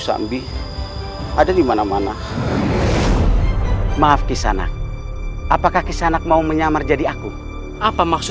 tidak ada apa apa bu